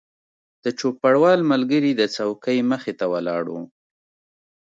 د چوپړوال ملګری د څوکۍ مخې ته ولاړ و.